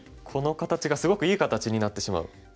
この形がすごくいい形になってしまう。